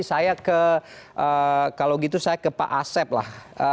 saya ke kalau gitu saya ke pak asep lah